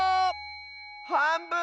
はんぶん⁉